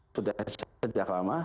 sudah sejak lama